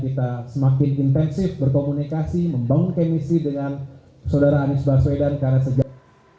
kita semakin intensif berkomunikasi membangun emisi dengan saudara anies baswedan karena sejak